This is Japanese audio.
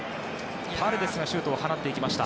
パレデスがシュートを放っていきました。